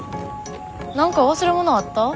何か忘れ物あった？